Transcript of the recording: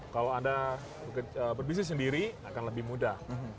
kalau anda berbisnis sendiri akan lebih mudah